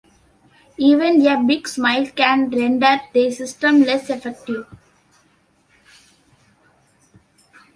Even a big smile can render the system less effective.